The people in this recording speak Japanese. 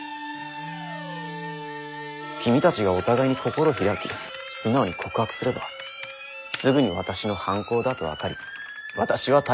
君たちがお互いに心開き素直に告白すればすぐに私の犯行だと分かり私は逮捕される。